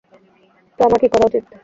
তো, আমার কী করা উচিত?